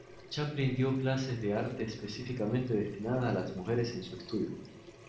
Chaplin dio clases de arte específicamente destinadas a las mujeres en su estudio.